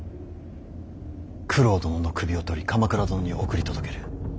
九郎殿の首を取り鎌倉殿に送り届ける。